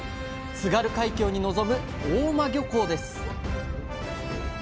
津軽海峡に臨む大澗漁港です